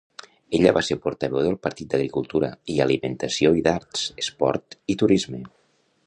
Ella va ser portaveu del partit d'Agricultura i alimentació i d'Arts, esport i turisme.